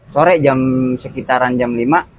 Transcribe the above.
sore jam sekitaran jam lima